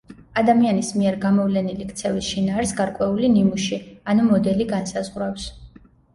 ადამიანის მიერ გამოვლენილი ქცევის შინაარსს გარკვეული ნიმუში, ანუ მოდელი განსაზღვრავს.